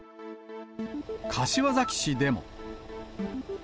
柏崎市でも。